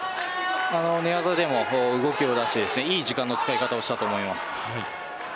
寝技でも動きを出していい時間の使い方をしたと思います。